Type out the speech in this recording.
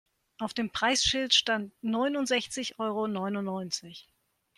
Auf dem Preisschild stand neunundsechzig Euro neunundneunzig.